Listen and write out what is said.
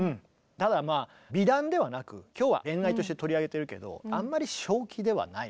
ただまあ美談ではなく今日は恋愛として取り上げてるけどあんまり正気ではない。